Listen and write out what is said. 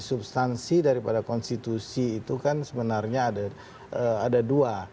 substansi daripada konstitusi itu kan sebenarnya ada dua